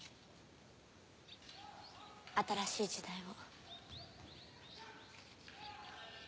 新しい時代を。